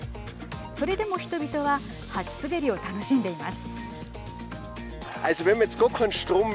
それでも人々は初滑りを楽しんでいます。